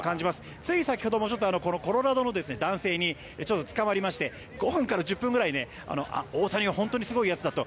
つい先ほどもコロラドの男性にちょっとつかまりまして５分から１０分ぐらい大谷は本当にすごいやつだと。